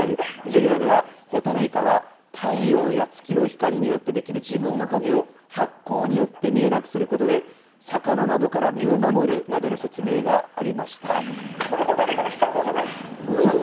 授業ではホタルイカは、太陽や月の光によって出来る自分の影を、発光によって見えなくすることで、魚などから身を守るなどの説明がありました。